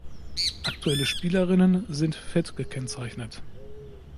Aktuelle Spielerinnen sind fett gekennzeichnet.